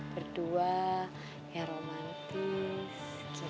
berdua ya romantis gitu mas